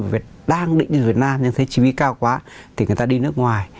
nhiều khách đang định đi việt nam nhưng thấy trí vi cao quá thì người ta đi nước ngoài